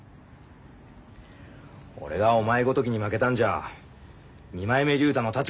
俺がお前ごときに負けたんじゃ二枚目竜太の立場がない。